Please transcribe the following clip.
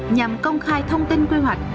nhằm công khai thông tin quy hoạch